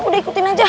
udah ikutin aja